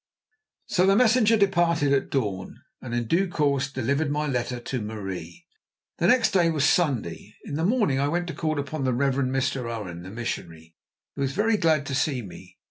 So the messenger departed at dawn, and in due course delivered my letter to Marie. The next day was Sunday. In the morning I went to call upon the Reverend Mr. Owen, the missionary, who was very glad to see me.